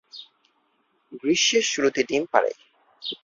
গ্রীষ্মের শুরুতে ডিম পাড়ে।